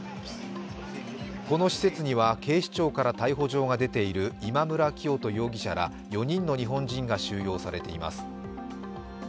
この施設には警視庁から逮捕状が出ている今村磨人容疑者ら４人の日本人が収容されています。